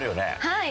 はい。